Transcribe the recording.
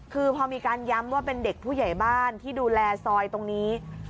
คือพอมีการย้ำว่าเป็นเด็กผู้ใหญ่บ้านที่ดูแลซอยตรงนี้